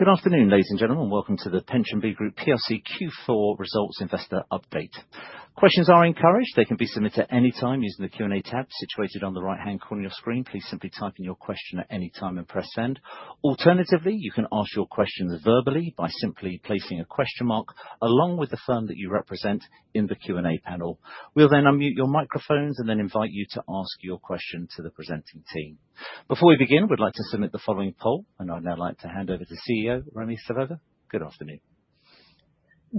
Good afternoon, ladies and gentlemen. Welcome to the PensionBee Group plc Q4 results investor update. Questions are encouraged. They can be submitted at any time using the Q&A tab situated on the right-hand corner of your screen. Please simply type in your question at any time and press send. Alternatively, you can ask your questions verbally by simply placing a question mark along with the firm that you represent in the Q&A panel. We'll then unmute your microphones and then invite you to ask your question to the presenting team. Before we begin, we'd like to submit the following poll, and I'd now like to hand over to CEO Romi Savova. Good afternoon.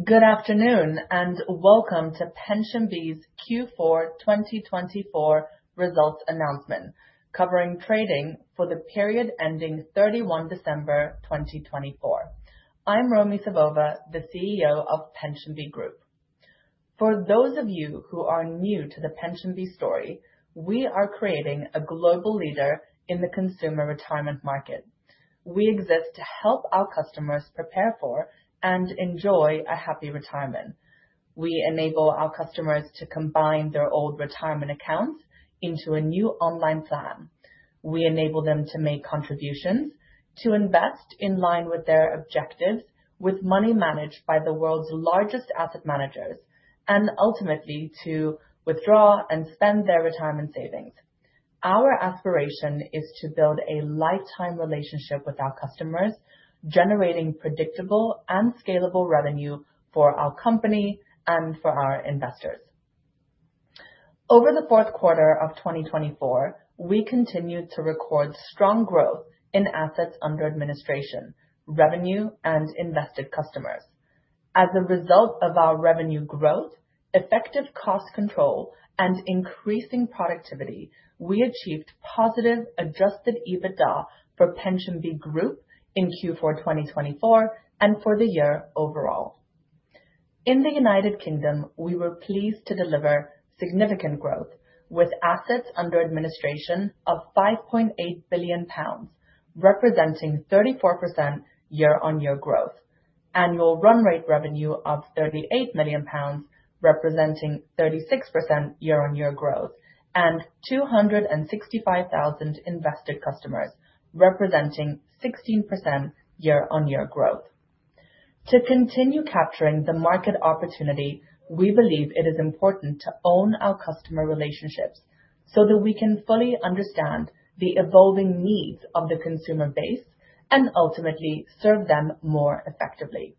Good afternoon, and welcome to PensionBee's Q4 2024 results announcement covering trading for the period ending 31 December 2024. I'm Romi Savova, the CEO of PensionBee Group. For those of you who are new to the PensionBee story, we are creating a global leader in the consumer retirement market. We exist to help our customers prepare for and enjoy a happy retirement. We enable our customers to combine their old retirement accounts into a new online plan. We enable them to make contributions, to invest in line with their objectives with money managed by the world's largest asset managers, and ultimately to withdraw and spend their retirement savings. Our aspiration is to build a lifetime relationship with our customers, generating predictable and scalable revenue for our company and for our investors. Over the fourth quarter of 2024, we continued to record strong growth in assets under administration, revenue, and invested customers. As a result of our revenue growth, effective cost control, and increasing productivity, we achieved positive Adjusted EBITDA for PensionBee Group in Q4 2024 and for the year overall. In the United Kingdom, we were pleased to deliver significant growth with assets under administration of 5.8 billion pounds, representing 34% year-on-year growth, annual run rate revenue of 38 million pounds, representing 36% year-on-year growth, and 265,000 invested customers, representing 16% year-on-year growth. To continue capturing the market opportunity, we believe it is important to own our customer relationships so that we can fully understand the evolving needs of the consumer base and ultimately serve them more effectively.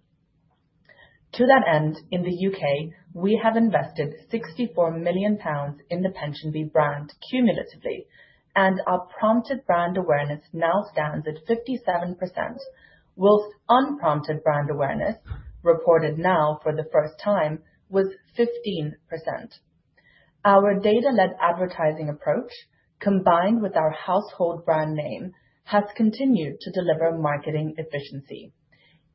To that end, in the U.K., we have invested 64 million pounds in the PensionBee brand cumulatively, and our prompted brand awareness now stands at 57%, while unprompted brand awareness, reported now for the first time, was 15%. Our data-led advertising approach, combined with our household brand name, has continued to deliver marketing efficiency.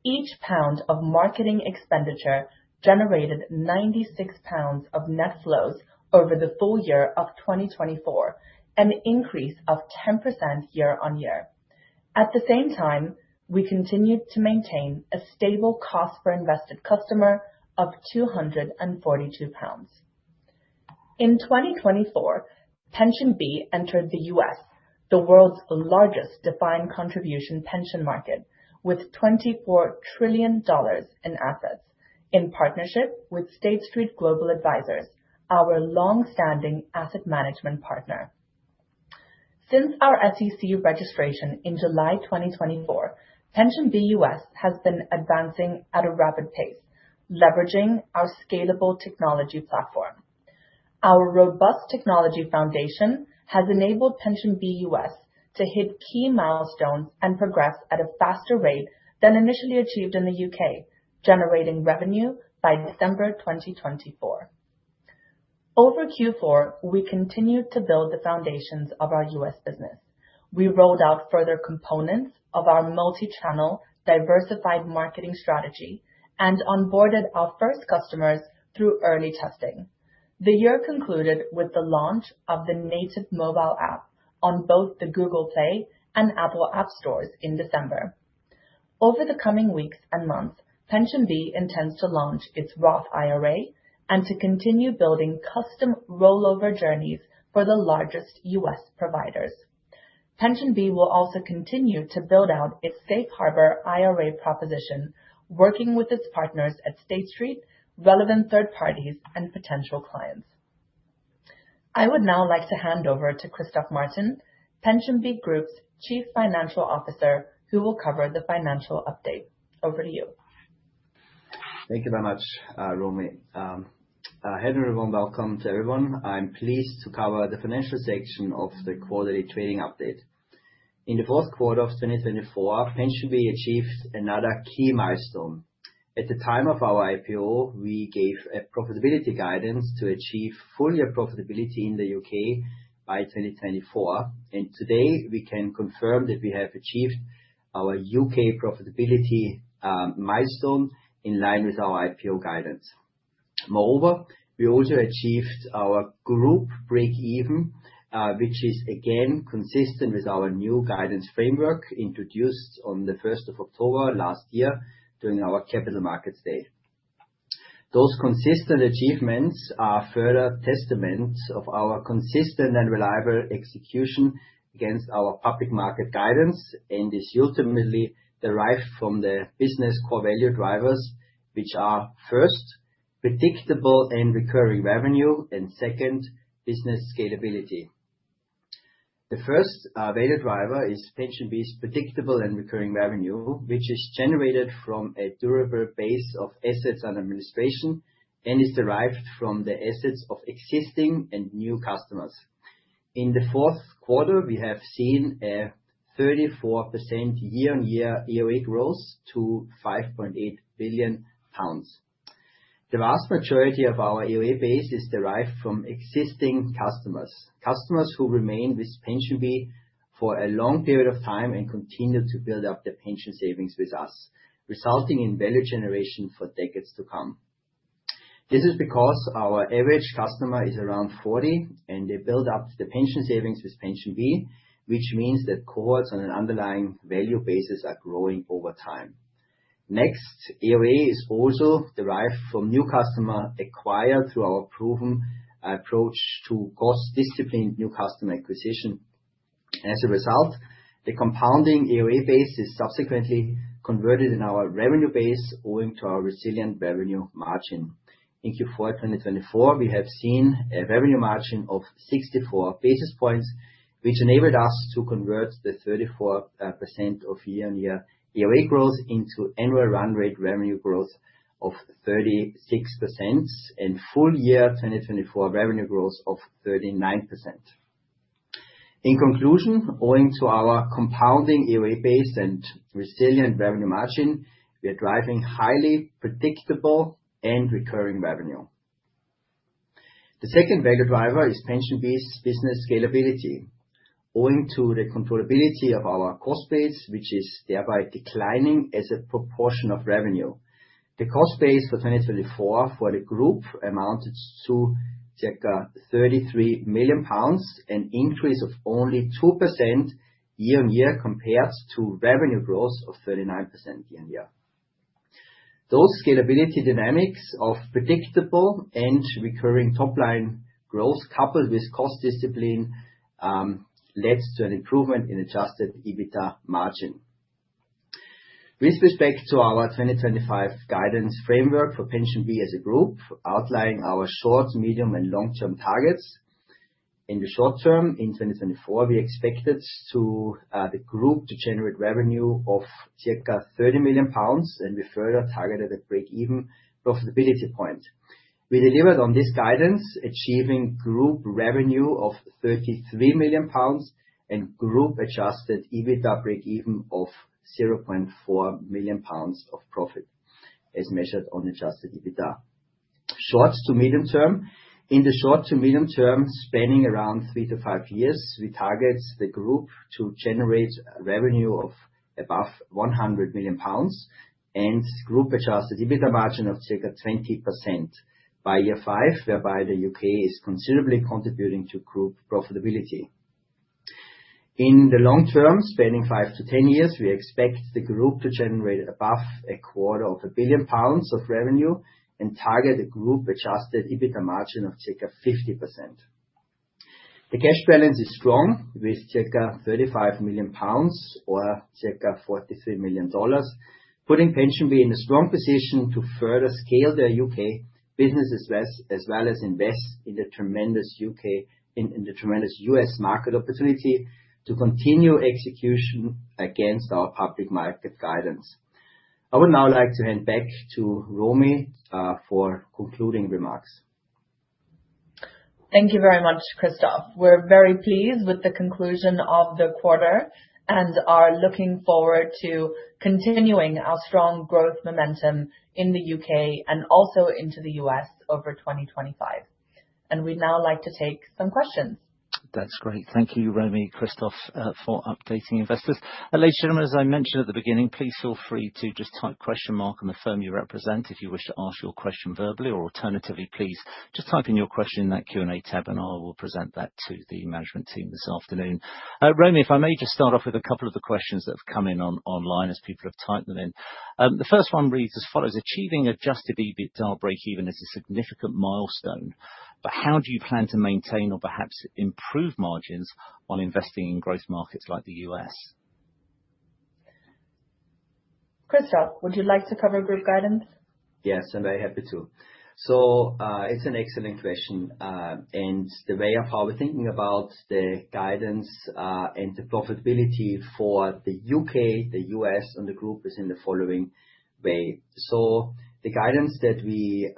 Each pound of marketing expenditure generated 96 pounds of net flows over the full year of 2024, an increase of 10% year-on-year. At the same time, we continued to maintain a stable cost per invested customer of 242 pounds. In 2024, PensionBee entered the U.S., the world's largest defined contribution pension market, with $24 trillion in assets in partnership with State Street Global Advisors, our long-standing asset management partner. Since our SEC registration in July 2024, PensionBee U.S. has been advancing at a rapid pace, leveraging our scalable technology platform. Our robust technology foundation has enabled PensionBee U.S. to hit key milestones and progress at a faster rate than initially achieved in the U.K., generating revenue by December 2024. Over Q4, we continued to build the foundations of our U.S. business. We rolled out further components of our multi-channel diversified marketing strategy and onboarded our first customers through early testing. The year concluded with the launch of the native mobile app on both the Google Play and Apple App Stores in December. Over the coming weeks and months, PensionBee intends to launch its Roth IRA and to continue building custom rollover journeys for the largest U.S. providers. PensionBee will also continue to build out its Safe Harbor IRA proposition, working with its partners at State Street, relevant third parties, and potential clients. I would now like to hand over to Christoph Martin, PensionBee Group's Chief Financial Officer, who will cover the financial update. Over to you. Thank you very much, Romi. Hello, everyone. Welcome to everyone. I'm pleased to cover the financial section of the quarterly trading update. In the fourth quarter of 2024, PensionBee achieved another key milestone. At the time of our IPO, we gave a profitability guidance to achieve full year profitability in the U.K. by 2024. And today, we can confirm that we have achieved our U.K. profitability milestone in line with our IPO guidance. Moreover, we also achieved our group break-even, which is again consistent with our new guidance framework introduced on the 1st of October last year during our Capital Markets Day. Those consistent achievements are further testaments of our consistent and reliable execution against our public market guidance, and this ultimately derived from the business core value drivers, which are, first, predictable and recurring revenue, and second, business scalability. The first value driver is PensionBee's predictable and recurring revenue, which is generated from a durable base of assets and administration and is derived from the assets of existing and new customers. In the fourth quarter, we have seen a 34% year-on-year AUA growth to 5.8 billion pounds. The vast majority of our AUA base is derived from existing customers, customers who remain with PensionBee for a long period of time and continue to build up their pension savings with us, resulting in value generation for decades to come. This is because our average customer is around 40, and they build up their pension savings with PensionBee, which means that cohorts on an underlying value basis are growing over time. Next, AUA is also derived from new customers acquired through our proven approach to cost-disciplined new customer acquisition. As a result, the compounding AUA base is subsequently converted in our revenue base owing to our resilient revenue margin. In Q4 2024, we have seen a revenue margin of 64 basis points, which enabled us to convert the 34% of year-on-year AUA growth into annual run rate revenue growth of 36% and full year 2024 revenue growth of 39%. In conclusion, owing to our compounding AUA base and resilient revenue margin, we are driving highly predictable and recurring revenue. The second value driver is PensionBee's business scalability, owing to the controllability of our cost base, which is thereby declining as a proportion of revenue. The cost base for 2024 for the group amounted to circa 33 million pounds, an increase of only 2% year-on-year compared to revenue growth of 39% year-on-year. Those scalability dynamics of predictable and recurring top-line growth coupled with cost discipline led to an improvement in Adjusted EBITDA margin. With respect to our 2025 guidance framework for PensionBee as a group, outlining our short, medium, and long-term targets, in the short term in 2024, we expected the group to generate revenue of circa 30 million pounds, and we further targeted a break-even profitability point. We delivered on this guidance, achieving group revenue of 33 million pounds and group-Adjusted EBITDA break-even of 0.4 million pounds of profit as measured on Adjusted EBITDA. Short to medium term, in the short to medium term spanning around three to five years, we target the group to generate revenue of above 100 million pounds and group-Adjusted EBITDA margin of circa 20% by year five, whereby the U.K. is considerably contributing to group profitability. In the long term, spanning five to ten years, we expect the group to generate above 250 million pounds of revenue and target a group-adjusted EBITDA margin of circa 50%. The cash balance is strong with circa 35 million pounds or circa $43 million, putting PensionBee in a strong position to further scale their U.K. business as well as invest in the tremendous US market opportunity to continue execution against our public market guidance. I would now like to hand back to Romi for concluding remarks. Thank you very much, Christoph. We're very pleased with the conclusion of the quarter and are looking forward to continuing our strong growth momentum in the U.K. and also into the U.S. over 2025 and we'd now like to take some questions. That's great. Thank you, Romi, Christoph, for updating investors. Ladies and gentlemen, as I mentioned at the beginning, please feel free to just type question mark on the firm you represent if you wish to ask your question verbally, or alternatively, please just type in your question in that Q&A tab, and I will present that to the management team this afternoon. Romi, if I may just start off with a couple of the questions that have come in online as people have typed them in. The first one reads as follows: Achieving Adjusted EBITDA break-even is a significant milestone, but how do you plan to maintain or perhaps improve margins while investing in growth markets like the U.S.? Christoph, would you like to cover group guidance? Yes, I'm very happy to, so it's an excellent question, and the way of how we're thinking about the guidance and the profitability for the U.K., the U.S., and the group is in the following way, so the guidance that we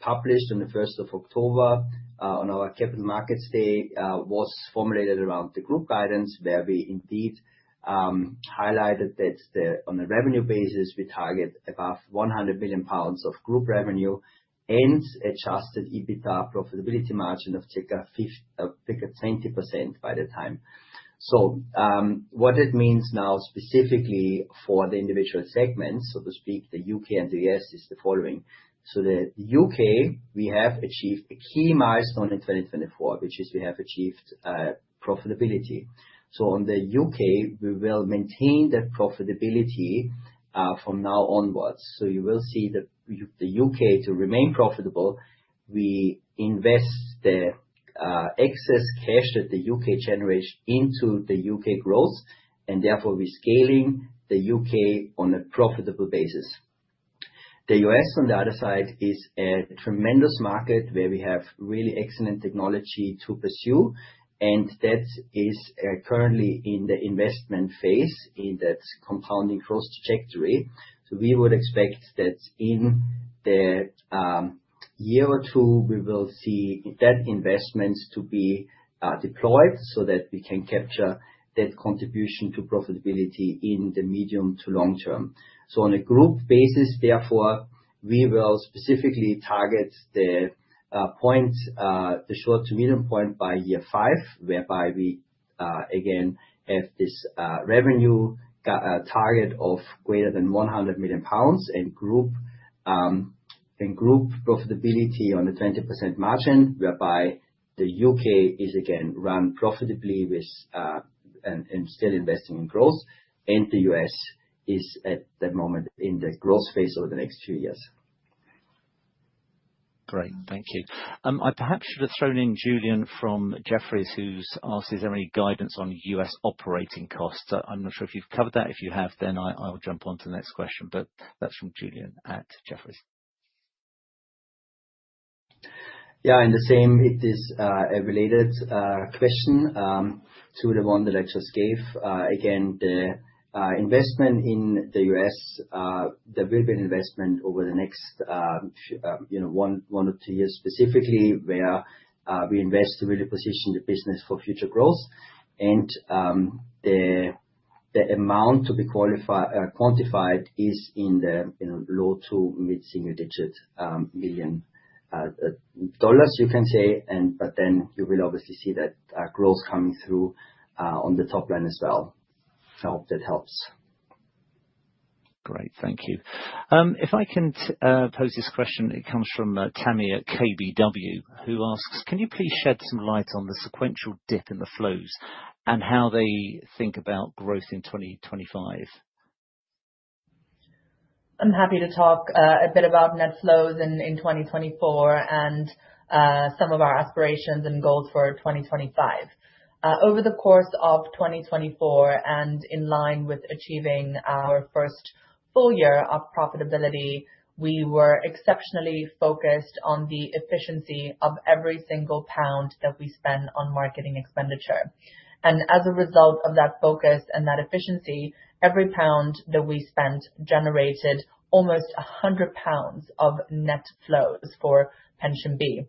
published on the 1st of October on our Capital Markets Day was formulated around the group guidance, where we indeed highlighted that on a revenue basis, we target above 100 million pounds of group revenue and Adjusted EBITDA profitability margin of circa 20% by the time, so what it means now specifically for the individual segments, so to speak, the U.K. and the U.S. is the following, so the U.K., we have achieved a key milestone in 2024, which is we have achieved profitability, so on the U.K., we will maintain that profitability from now onwards. So you will see the U.K. to remain profitable, we invest the excess cash that the U.K. generates into the U.K. growth, and therefore we're scaling the U.K. on a profitable basis. The U.S., on the other side, is a tremendous market where we have really excellent technology to pursue, and that is currently in the investment phase in that compounding growth trajectory. So we would expect that in the year or two, we will see that investments to be deployed so that we can capture that contribution to profitability in the medium to long term. On a group basis, therefore, we will specifically target the point, the short to medium point by year five, whereby we again have this revenue target of greater than 100 million pounds and group profitability on a 20% margin, whereby the U.K. is again run profitably and still investing in growth, and the U.S. is at the moment in the growth phase over the next few years. Great. Thank you. I perhaps should have thrown in Julian from Jefferies, who's asked, is there any guidance on U.S. operating costs? I'm not sure if you've covered that. If you have, then I'll jump on to the next question, but that's from Julian at Jefferies. Yeah, and the same. It is a related question to the one the lecturers gave. Again, the investment in the U.S., there will be an investment over the next one or two years specifically where we invest to really position the business for future growth. And the amount to be quantified is in the low- to mid-single-digit million dollars, you can say, but then you will obviously see that growth coming through on the top line as well. I hope that helps. Great. Thank you. If I can pose this question, it comes from Tamin at KBW, who asks, can you please shed some light on the sequential dip in the flows and how they think about growth in 2025? I'm happy to talk a bit about net flows in 2024 and some of our aspirations and goals for 2025. Over the course of 2024, and in line with achieving our first full year of profitability, we were exceptionally focused on the efficiency of every single pound that we spend on marketing expenditure. And as a result of that focus and that efficiency, every pound that we spent generated almost 100 pounds of net flows for PensionBee,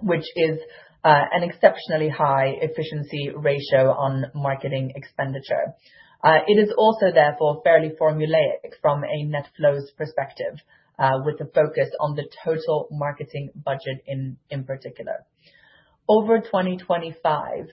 which is an exceptionally high efficiency ratio on marketing expenditure. It is also therefore fairly formulaic from a net flows perspective, with the focus on the total marketing budget in particular. Over 2025,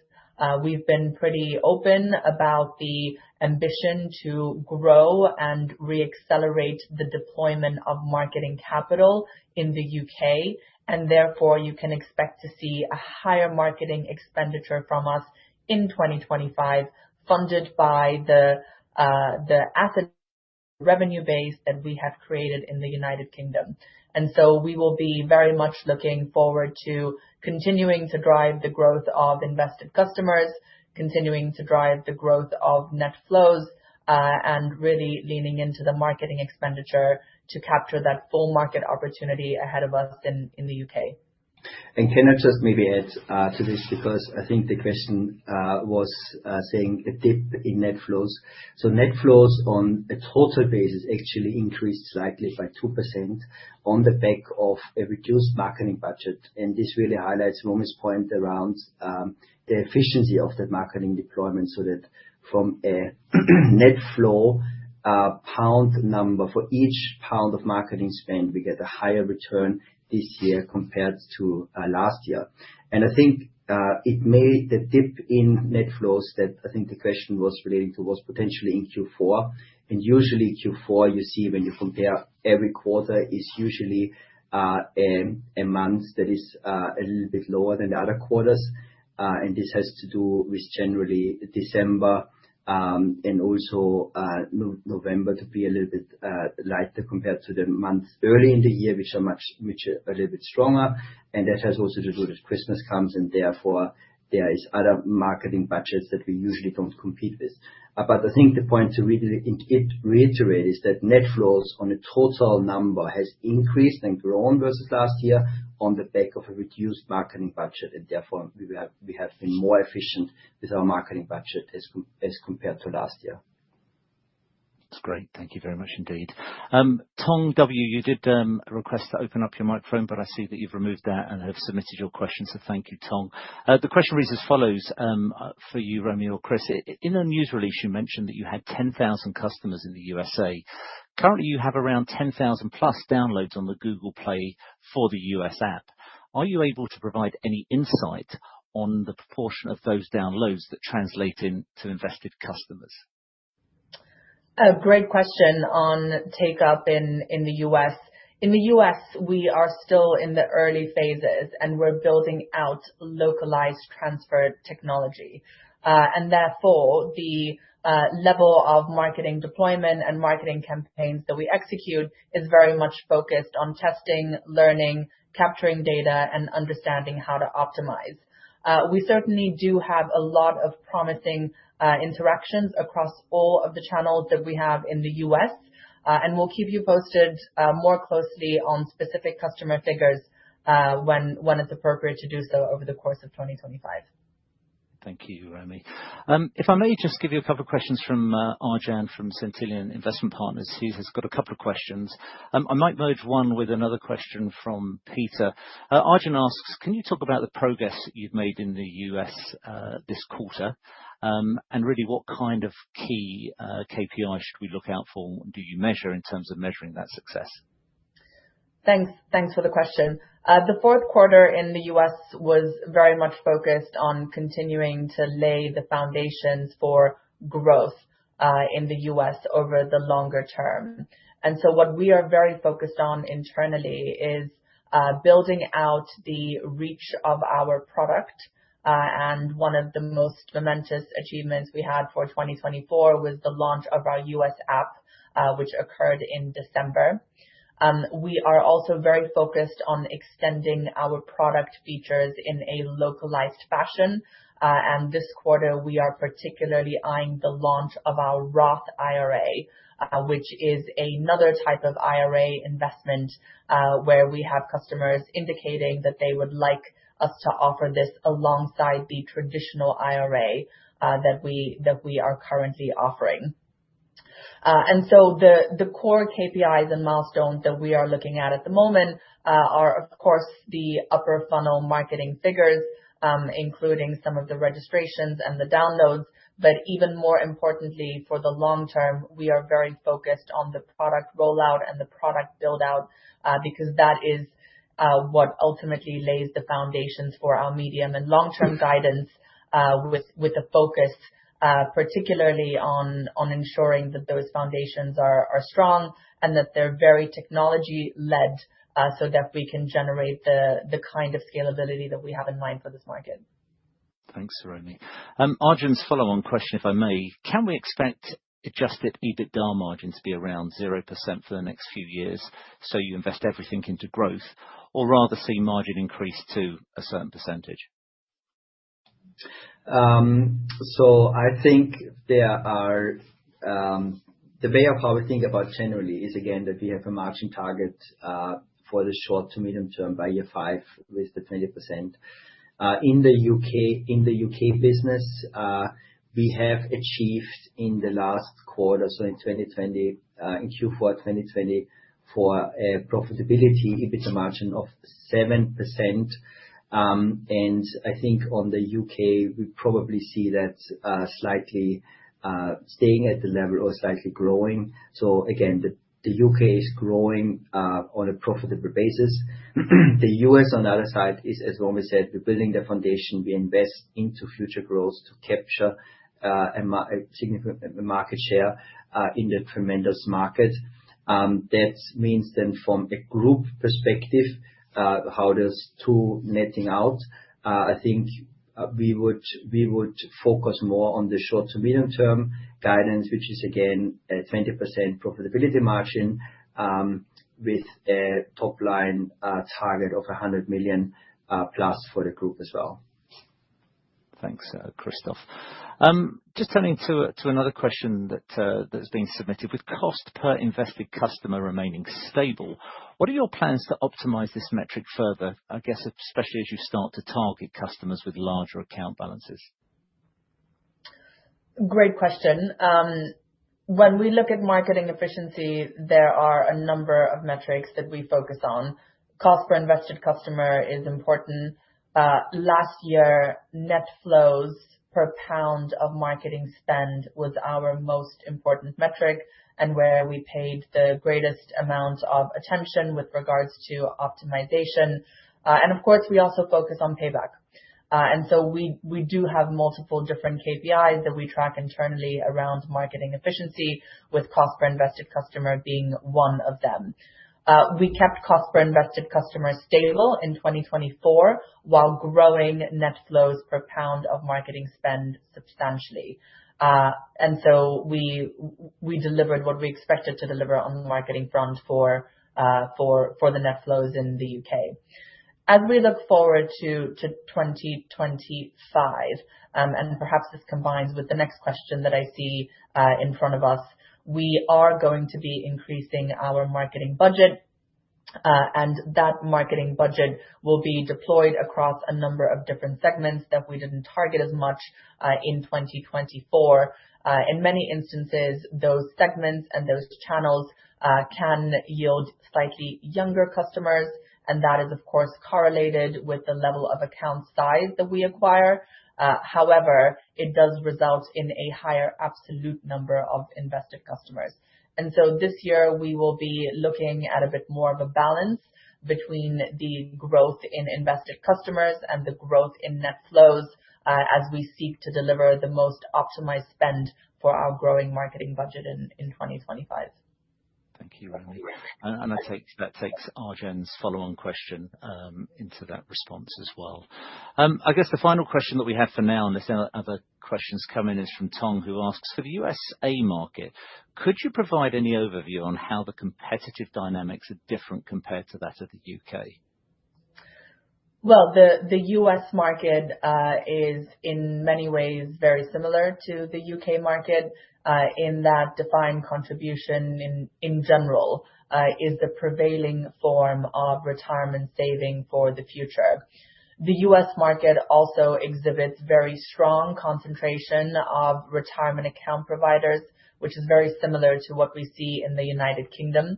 we've been pretty open about the ambition to grow and reaccelerate the deployment of marketing capital in the U.K., and therefore you can expect to see a higher marketing expenditure from us in 2025, funded by the asset revenue base that we have created in the United Kingdom, and so we will be very much looking forward to continuing to drive the growth of invested customers, continuing to drive the growth of net flows, and really leaning into the marketing expenditure to capture that full market opportunity ahead of us in the U.K. And can I just maybe add to this because I think the question was saying a dip in net flows. So net flows on a total basis actually increased slightly by 2% on the back of a reduced marketing budget. And this really highlights Romi's point around the efficiency of that marketing deployment so that from a net flow pound number for each pound of marketing spend, we get a higher return this year compared to last year. And I think it made the dip in net flows that I think the question was relating to was potentially in Q4. And usually Q4, you see when you compare every quarter, is usually a month that is a little bit lower than the other quarters. And this has to do with generally December and also November to be a little bit lighter compared to the months early in the year, which are much a little bit stronger. And that has also to do with Christmas comes, and therefore there are other marketing budgets that we usually don't compete with. But I think the point to really reiterate is that net flows on a total number has increased and grown versus last year on the back of a reduced marketing budget, and therefore we have been more efficient with our marketing budget as compared to last year. That's great. Thank you very much indeed. Tong W, you did request to open up your microphone, but I see that you've removed that and have submitted your question, so thank you, Tong. The question reads as follows for you, Romi or Chris. In a news release, you mentioned that you had 10,000 customers in the USA. Currently, you have around 10,000+ downloads on the Google Play for the U.S. app. Are you able to provide any insight on the proportion of those downloads that translate into invested customers? A great question on take-up in the U.S. In the U.S., we are still in the early phases, and we're building out localized transfer technology. And therefore, the level of marketing deployment and marketing campaigns that we execute is very much focused on testing, learning, capturing data, and understanding how to optimize. We certainly do have a lot of promising interactions across all of the channels that we have in the U.S., and we'll keep you posted more closely on specific customer figures when it's appropriate to do so over the course of 2025. Thank you, Romi. If I may just give you a couple of questions from Arjan from Cantillon Investment Partners, who has got a couple of questions. I might merge one with another question from Peter. Arjan asks, can you talk about the progress you've made in the U.S. this quarter? And really, what kind of key KPIs should we look out for? Do you measure in terms of measuring that success? Thanks for the question. The fourth quarter in the U.S. was very much focused on continuing to lay the foundations for growth in the U.S. over the longer term. And so what we are very focused on internally is building out the reach of our product. And one of the most momentous achievements we had for 2024 was the launch of our U.S. app, which occurred in December. We are also very focused on extending our product features in a localized fashion. And this quarter, we are particularly eyeing the launch of our Roth IRA, which is another type of IRA investment where we have customers indicating that they would like us to offer this alongside the traditional IRA that we are currently offering. And so the core KPIs and milestones that we are looking at at the moment are, of course, the upper funnel marketing figures, including some of the registrations and the downloads. But even more importantly, for the long term, we are very focused on the product rollout and the product build-out because that is what ultimately lays the foundations for our medium and long-term guidance with a focus particularly on ensuring that those foundations are strong and that they're very technology-led so that we can generate the kind of scalability that we have in mind for this market. Thanks, Romi. Arjan's follow-on question, if I may. Can we expect Adjusted EBITDA margin to be around 0% for the next few years? So you invest everything into growth or rather see margin increase to a certain percentage? So I think there are the way of how we think about generally is again that we have a margin target for the short to medium term by year five with the 20%. In the U.K. business, we have achieved in the last quarter, so in Q4 2024, a profitability EBITDA margin of 7%. And I think on the U.K., we probably see that slightly staying at the level or slightly growing. So again, the U.K. is growing on a profitable basis. The U.S., on the other side, is, as Romi said, we're building the foundation. We invest into future growth to capture a significant market share in the tremendous market. That means then from a group perspective, how does two netting out? I think we would focus more on the short to medium term guidance, which is again a 20% profitability margin with a top line target of 100 million plus for the group as well. Thanks, Christoph. Just turning to another question that has been submitted. With cost per invested customer remaining stable, what are your plans to optimize this metric further, I guess, especially as you start to target customers with larger account balances? Great question. When we look at marketing efficiency, there are a number of metrics that we focus on. Cost per invested customer is important. Last year, net flows per pound of marketing spend was our most important metric and where we paid the greatest amount of attention with regards to optimization. And of course, we also focus on payback. And so we do have multiple different KPIs that we track internally around marketing efficiency, with cost per invested customer being one of them. We kept cost per invested customer stable in 2024 while growing net flows per pound of marketing spend substantially. And so we delivered what we expected to deliver on the marketing front for the net flows in the U.K. As we look forward to 2025, and perhaps this combines with the next question that I see in front of us, we are going to be increasing our marketing budget, and that marketing budget will be deployed across a number of different segments that we didn't target as much in 2024. In many instances, those segments and those channels can yield slightly younger customers, and that is, of course, correlated with the level of account size that we acquire. However, it does result in a higher absolute number of invested customers, and so this year, we will be looking at a bit more of a balance between the growth in invested customers and the growth in net flows as we seek to deliver the most optimized spend for our growing marketing budget in 2025. Thank you, Romi. And I think that takes Arjan's follow-on question into that response as well. I guess the final question that we have for now, unless there are other questions coming in, is from Tong, who asks for the USA market. Could you provide any overview on how the competitive dynamics are different compared to that of the UK? The U.S. market is in many ways very similar to the U.K. market in that defined contribution in general is the prevailing form of retirement saving for the future. The U.S. market also exhibits very strong concentration of retirement account providers, which is very similar to what we see in the United Kingdom.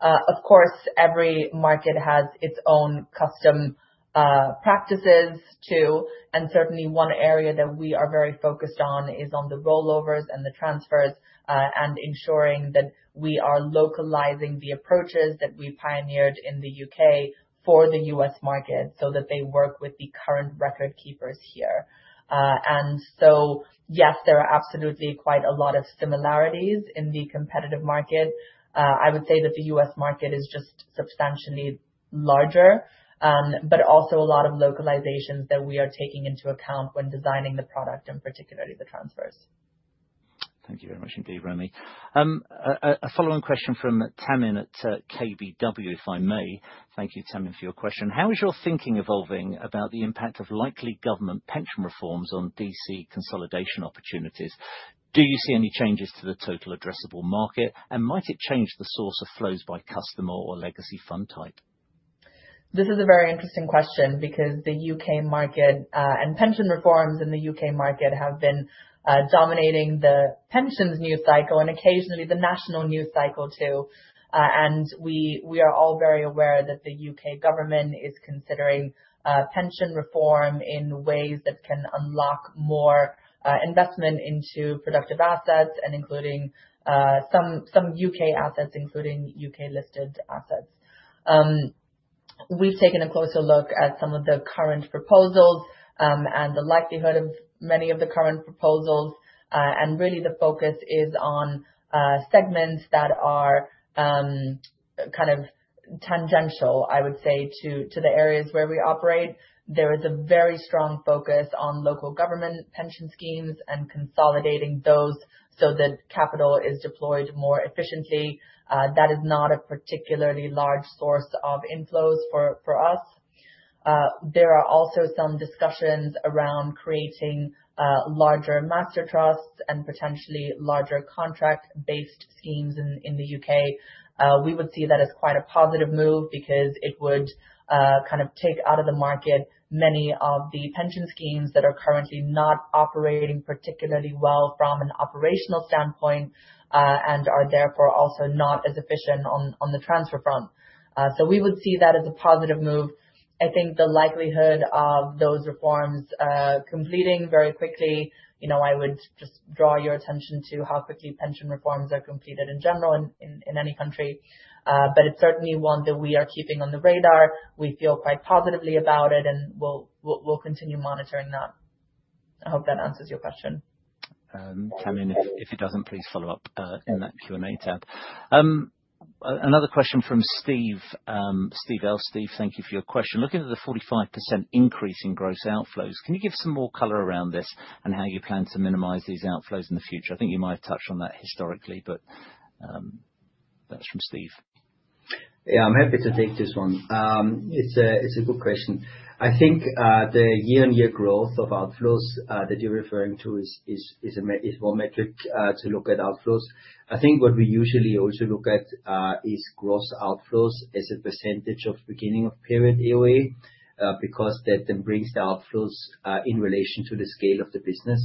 Of course, every market has its own customary practices too, and certainly, one area that we are very focused on is on the rollovers and the transfers and ensuring that we are localizing the approaches that we pioneered in the U.K. for the U.S. market so that they work with the current record keepers here, and so yes, there are absolutely quite a lot of similarities in the competitive market. I would say that the U.S. market is just substantially larger, but also a lot of localizations that we are taking into account when designing the product, and particularly the transfers. Thank you very much indeed, Romi. A following question from Tamin at KBW, if I may. Thank you, Tamin, for your question. How is your thinking evolving about the impact of likely government pension reforms on DC consolidation opportunities? Do you see any changes to the total addressable market? And might it change the source of flows by customer or legacy fund type? This is a very interesting question because the U.K. market and pension reforms in the U.K. market have been dominating the pensions news cycle and occasionally the national news cycle too, and we are all very aware that the U.K. government is considering pension reform in ways that can unlock more investment into productive assets and including some U.K. assets, including U.K.-listed assets. We've taken a closer look at some of the current proposals and the likelihood of many of the current proposals, and really, the focus is on segments that are kind of tangential, I would say, to the areas where we operate. There is a very strong focus on local government pension schemes and consolidating those so that capital is deployed more efficiently. That is not a particularly large source of inflows for us. There are also some discussions around creating larger master trusts and potentially larger contract-based schemes in the U.K. We would see that as quite a positive move because it would kind of take out of the market many of the pension schemes that are currently not operating particularly well from an operational standpoint and are therefore also not as efficient on the transfer front. So we would see that as a positive move. I think the likelihood of those reforms completing very quickly, I would just draw your attention to how quickly pension reforms are completed in general in any country. But it's certainly one that we are keeping on the radar. We feel quite positively about it and we'll continue monitoring that. I hope that answers your question. Tamin, if it doesn't, please follow up in that Q&A tab. Another question from Steve. Steve Ellstead, thank you for your question. Looking at the 45% increase in gross outflows, can you give some more color around this and how you plan to minimize these outflows in the future? I think you might have touched on that historically, but that's from Steve. Yeah, I'm happy to take this one. It's a good question. I think the year-on-year growth of outflows that you're referring to is one metric to look at outflows. I think what we usually also look at is gross outflows as a percentage of beginning of period AUA because that then brings the outflows in relation to the scale of the business.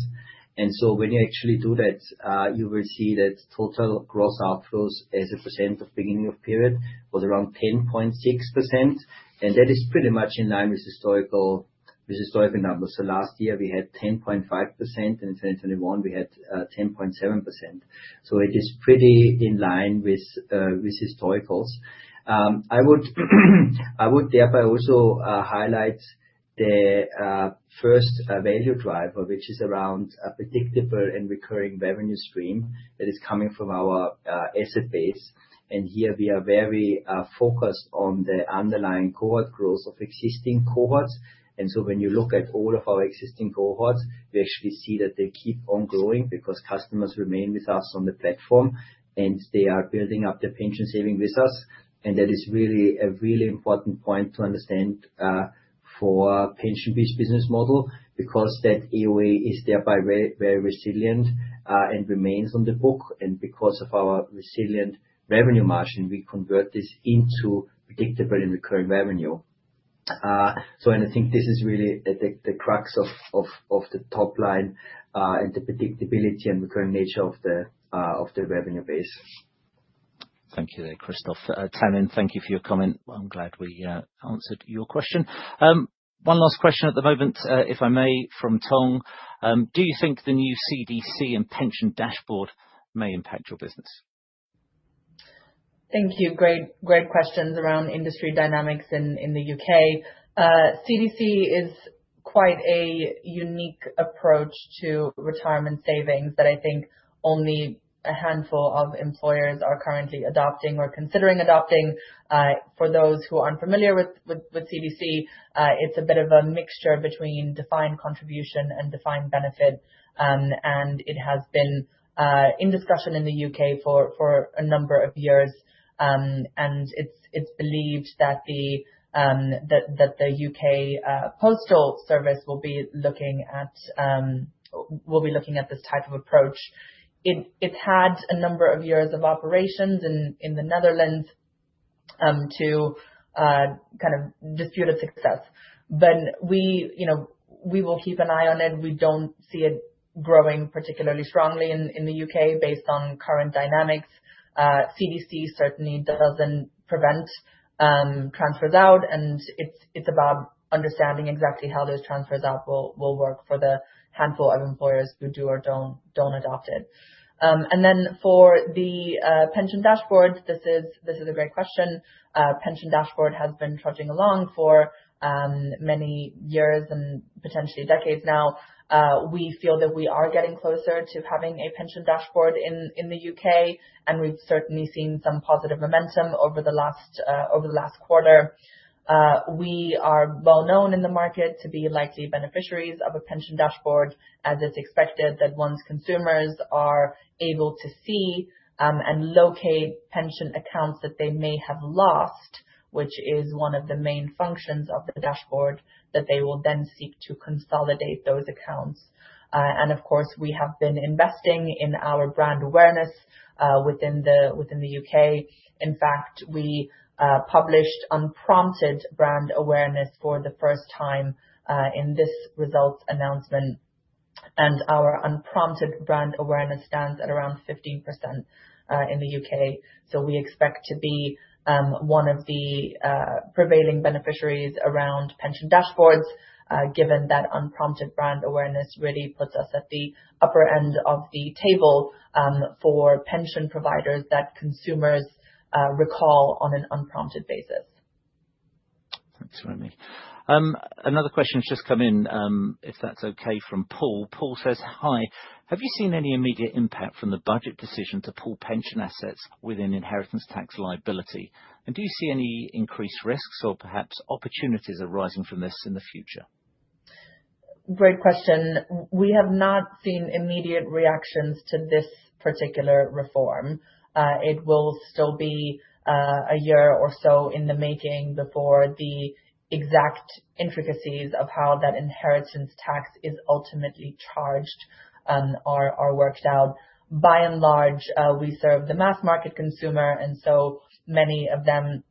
And so when you actually do that, you will see that total gross outflows as a percentage of beginning of period was around 10.6%. And that is pretty much in line with historical numbers. So last year, we had 10.5%, and in 2021, we had 10.7%. So it is pretty in line with historicals. I would therefore also highlight the first value driver, which is around a predictable and recurring revenue stream that is coming from our asset base. And here we are very focused on the underlying cohort growth of existing cohorts. And so when you look at all of our existing cohorts, we actually see that they keep on growing because customers remain with us on the platform and they are building up their pension saving with us. And that is really a really important point to understand for pension-based business model because that AUA is thereby very resilient and remains on the book. And because of our resilient revenue margin, we convert this into predictable and recurring revenue. So I think this is really the crux of the top line and the predictability and recurring nature of the revenue base. Thank you there, Christoph. Tamin, thank you for your comment. I'm glad we answered your question. One last question at the moment, if I may, from Tong. Do you think the new CDC and pension dashboard may impact your business? Thank you. Great questions around industry dynamics in the U.K. CDC is quite a unique approach to retirement savings that I think only a handful of employers are currently adopting or considering adopting. For those who aren't familiar with CDC, it's a bit of a mixture between defined contribution and defined benefit, and it has been in discussion in the U.K. for a number of years, and it's believed that the U.K. Postal Service will be looking at this type of approach. It's had a number of years of operations in the Netherlands to kind of disputed success, but we will keep an eye on it. We don't see it growing particularly strongly in the U.K. based on current dynamics. CDC certainly doesn't prevent transfers out, and it's about understanding exactly how those transfers out will work for the handful of employers who do or don't adopt it. And then for the Pensions Dashboard, this is a great question. Pensions Dashboard has been trudging along for many years and potentially decades now. We feel that we are getting closer to having a Pensions Dashboard in the U.K. And we've certainly seen some positive momentum over the last quarter. We are well known in the market to be likely beneficiaries of a Pensions Dashboard as it's expected that once consumers are able to see and locate pension accounts that they may have lost, which is one of the main functions of the dashboard that they will then seek to consolidate those accounts. And of course, we have been investing in our brand awareness within the U.K. In fact, we published unprompted brand awareness for the first time in this results announcement. And our unprompted brand awareness stands at around 15% in the U.K. We expect to be one of the prevailing beneficiaries around pension dashboards given that unprompted brand awareness really puts us at the upper end of the table for pension providers that consumers recall on an unprompted basis. Thanks, Romi. Another question has just come in, if that's okay, from Paul. Paul says, "Hi, have you seen any immediate impact from the budget decision to pull pension assets within inheritance tax liability? And do you see any increased risks or perhaps opportunities arising from this in the future? Great question. We have not seen immediate reactions to this particular reform. It will still be a year or so in the making before the exact intricacies of how that inheritance tax is ultimately charged are worked out. By and large, we serve the mass market consumer. And so many of them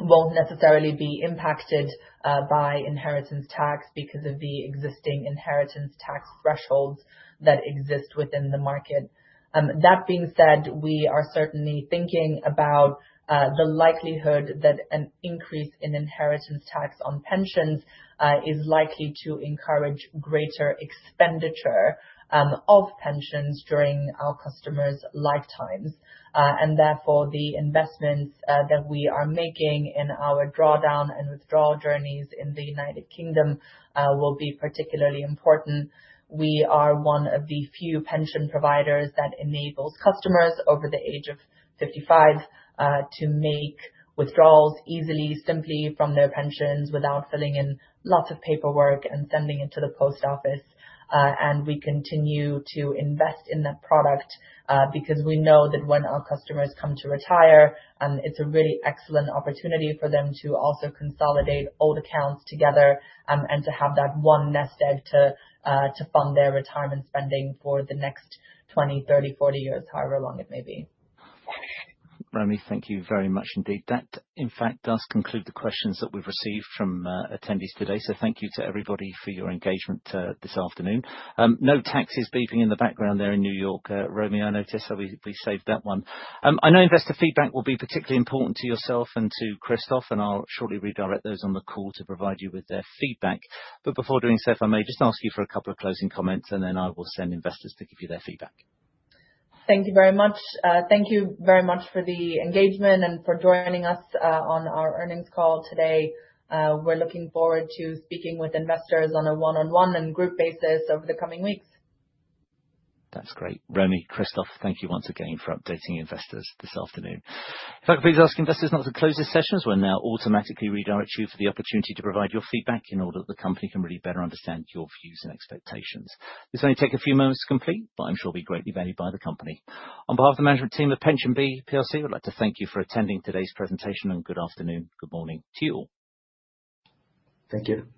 won't necessarily be impacted by inheritance tax because of the existing inheritance tax thresholds that exist within the market. That being said, we are certainly thinking about the likelihood that an increase in inheritance tax on pensions is likely to encourage greater expenditure of pensions during our customers' lifetimes. And therefore, the investments that we are making in our drawdown and withdrawal journeys in the United Kingdom will be particularly important. We are one of the few pension providers that enables customers over the age of 55 to make withdrawals easily, simply from their pensions without filling in lots of paperwork and sending it to the post office. And we continue to invest in that product because we know that when our customers come to retire, it's a really excellent opportunity for them to also consolidate old accounts together and to have that one nest egg to fund their retirement spending for the next 20, 30, 40 years, however long it may be. Romi, thank you very much indeed. That, in fact, does conclude the questions that we've received from attendees today. So thank you to everybody for your engagement this afternoon. No taxis beeping in the background there in New York, Romi. I notice how we saved that one. I know investor feedback will be particularly important to yourself and to Christoph, and I'll shortly redirect those on the call to provide you with their feedback. But before doing so, if I may just ask you for a couple of closing comments, and then I will send investors to give you their feedback. Thank you very much. Thank you very much for the engagement and for joining us on our earnings call today. We're looking forward to speaking with investors on a one-on-one and group basis over the coming weeks. That's great. Romi, Christoph, thank you once again for updating investors this afternoon. In fact, please ask investors not to close this session as we're now automatically redirect you for the opportunity to provide your feedback in order that the company can really better understand your views and expectations. This may take a few moments to complete, but I'm sure it'll be greatly valued by the company. On behalf of the management team at PensionBee PLC, we'd like to thank you for attending today's presentation and good afternoon, good morning to you all. Thank you.